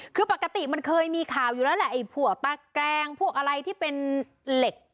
คือปกติมันเคยมีข่าวอยู่แล้วแหละไอ้ผัวตะแกรงพวกอะไรที่เป็นเหล็ก